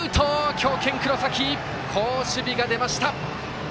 強肩、黒崎好守備が出ました！